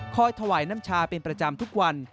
ถวายน้ำชาเป็นประจำทุกวัน